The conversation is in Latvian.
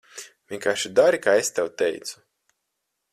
Vienkārši dari, kā es tev teicu.